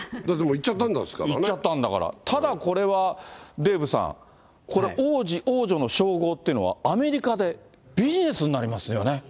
行っちゃったんだから、ただこれは、デーブさん、これ、王子、王女の称号っていうのはアメリカでビジネスになりますよね。